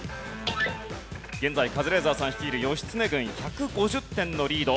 現在カズレーザーさん率いる義経軍１５０点のリード。